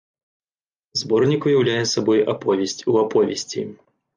Зборнік уяўляе сабой аповесць у аповесці.